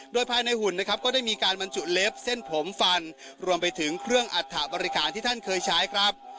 โดยภายในหุ่นนะครับก็ได้มีการบรรจุเล็บเส้นผมฟันรวมไปถึงเครื่องอัฐบริการที่ท่านเคยใช้ครับ